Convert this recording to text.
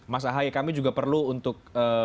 mas ahaye kami juga perlu untuk